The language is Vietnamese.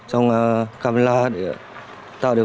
hẹn gặp lại